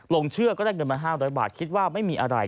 เชื่อก็ได้เงินมา๕๐๐บาทคิดว่าไม่มีอะไร